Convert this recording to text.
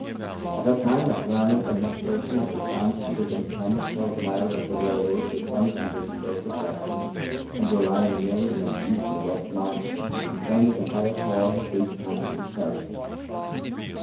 By that time McClernand and McPherson had advanced to within ten or twelve miles of the railroad which runs from Vicksburg to Jackson, and were lying nearly in an east and west line; and Sherman's entire corps had reached Hankinson's Ferry.